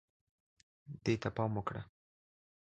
دې ته پام وکړه